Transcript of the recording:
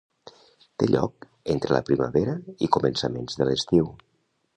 Té lloc entre la primavera i començaments de l'estiu.